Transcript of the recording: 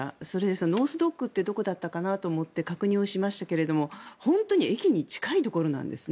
ノース・ドックってどこだったかなと思って確認したら本当に駅に近いところなんですね